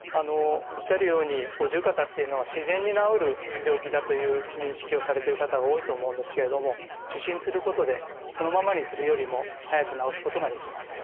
おっしゃるように五十肩っていうのは自然に治る病気だという認識をされてる方が多いと思うんですけれども受診することでそのままにするよりも早く治すことができます。